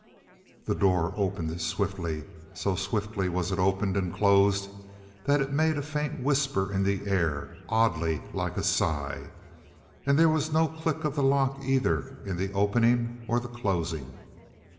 The door opened swiftly so swiftly was it opened and closed that it made a faint whisper in the air, oddly like a sigh. And there was no click of the lock either in the opening or the closing.